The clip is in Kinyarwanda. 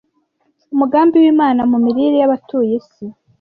Umugambi w’Imana mu mirire yabatuye isi